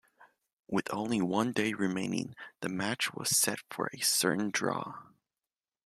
With only one day remaining, the match was set for a certain draw.